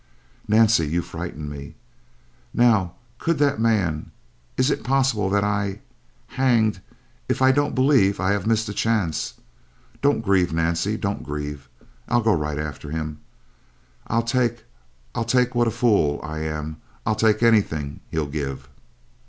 "Nancy, you frighten me. Now could that man is it possible that I hanged if I don't believe I have missed a chance! Don't grieve, Nancy, don't grieve. I'll go right after him. I'll take I'll take what a fool I am! I'll take anything he'll give!"